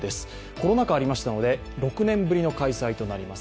コロナ禍でありましたので、６年ぶりの開催となります